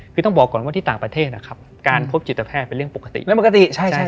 คือต้องบอกก่อนว่าที่ต่างประเทศนะครับการพบจิตแพทย์เป็นเรื่องปกติไม่ปกติ